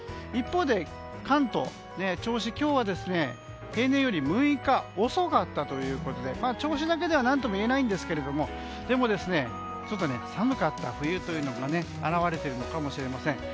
一方で、関東銚子、今日は平年より６日遅かったということで銚子だけでは何とも言えないんですがでも寒かった冬というのが表れているのかもしれません。